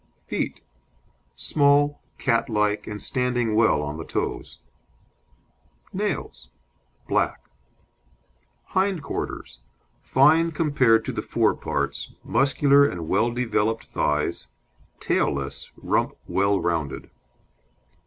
FEET Small, catlike, and standing well on the toes. NAILS Black. HIND QUARTERS Fine compared to the fore parts, muscular and well developed thighs, tailless, rump well rounded.